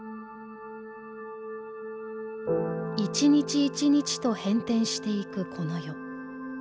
「一日一日と変転していくこの世。